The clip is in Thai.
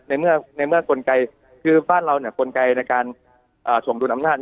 ในเมื่อในเมื่อกลไกคือบ้านเราเนี่ยกลไกในการส่งดูดอำนาจ